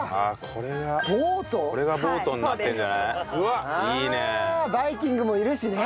これがボートね。